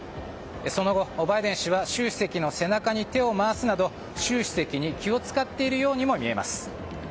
その後、バイデン氏は習主席の背中に手を回すなど習主席に気を使っているようにも見えます。